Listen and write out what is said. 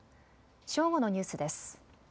正午のニュースです。